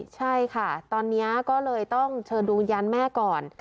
ใช่ค่ะตอนนี้ก็เลยต้องเชิญดวงวิญญาณแม่ก่อน